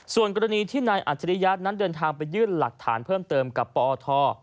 ส่วนกรณีที่นายอัจฉริยะนั้นเดินทางไปยื่นหลักฐานเพิ่มเติมกับปอท